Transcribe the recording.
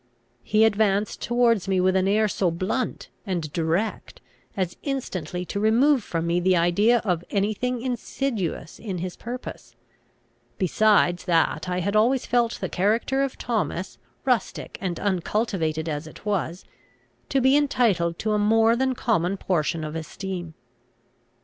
He advanced towards me with an air so blunt and direct, as instantly to remove from me the idea of any thing insidious in his purpose; besides that I had always felt the character of Thomas, rustic and uncultivated as it was, to be entitled to a more than common portion of esteem.